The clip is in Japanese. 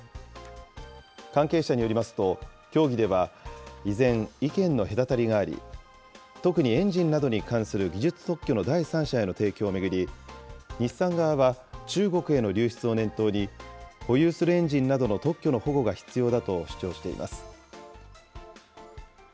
関係者によりますと、協議では依然、意見の隔たりがあり、特にエンジンなどに関する技術特許の第三者への提供を巡り、日産側は中国への流出を念頭に保有するエンジンなどの特許の保護が必要だと主張しています。